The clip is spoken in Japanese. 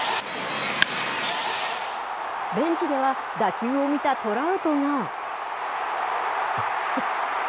ベンチでは、打球を見たトラウトが。